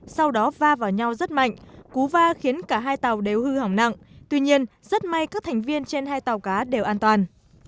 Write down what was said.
sau đó va vào nhau rất mạnh cú va khiến cả hai tàu đều hư hỏng nặng tuy nhiên rất may các thành viên trên hai tàu cá đều an toàn